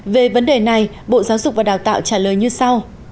về vấn đề này bộ giáo dục và đào tạo trả lời như sau